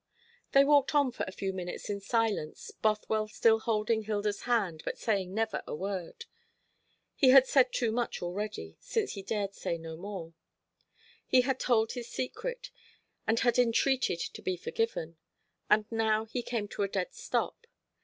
They walked on for a few minutes in silence, Bothwell still holding Hilda's hand, but saying never a word. He had said too much already, since he dared say no more. He had told his secret, and had entreated to be forgiven. And now he came to a dead stop.